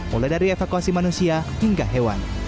mulai dari evakuasi manusia hingga hewan